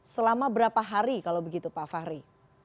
selama berapa hari kalau begitu pak fahri